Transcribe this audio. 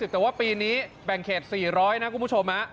แต่ว่าปีนี้แบ่งเขต๔๐๐นะคุณผู้ชม